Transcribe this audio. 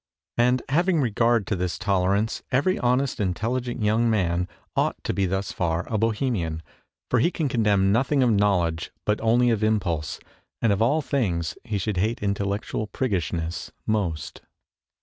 And, having regard to this toler ance, every honest intelligent young man THE TRUE BOHEMIA 29 ought to be thus far a Bohemian, for he can condemn nothing of knowledge but only of impulse, and of all things he should hate intellectual priggishness most.